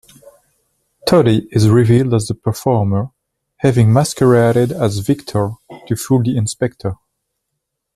Toddy is revealed as the performer, having masqueraded as "Victor" to fool the Inspector.